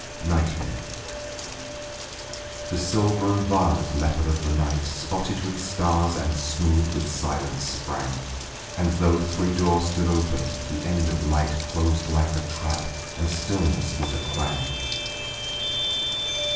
NIGHTMARE The silver and violet leopard of the night Spotted with stars and smooth with silence sprang; And though three doors stood open, the end of light Closed like a trap; and stillness was a clang.